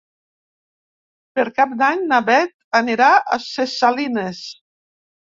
Per Cap d'Any na Beth anirà a Ses Salines.